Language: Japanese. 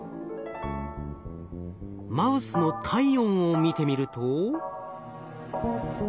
マウスの体温を見てみると。